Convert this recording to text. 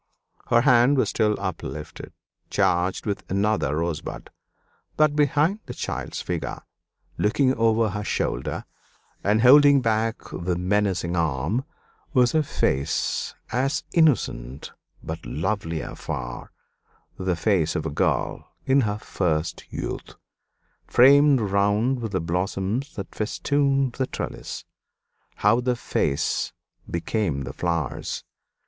Her hand was still uplifted, charged with another rosebud; but behind the child's figure, looking over her shoulder and holding back the menacing arm, was a face as innocent but lovelier far the face of a girl in her first youth, framed round with the blossoms that festooned the trellis. How the face became the flowers!